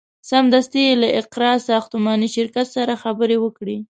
سمدستي یې له اقراء ساختماني شرکت سره خبرې وکړې.